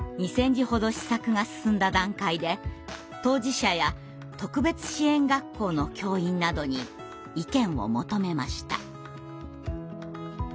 字ほど試作が進んだ段階で当事者や特別支援学校の教員などに意見を求めました。